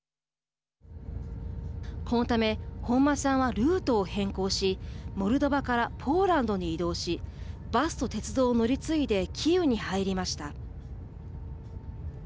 このため本間さんはルートを変更しモルドバからポーランドに移動しバスと鉄道を乗り継いでキーウに入りました。